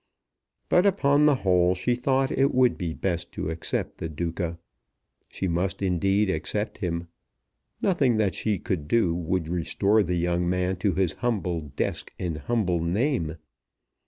But upon the whole she thought it would be best to accept the Duca. She must, indeed, accept him. Nothing that she could do would restore the young man to his humble desk and humble name.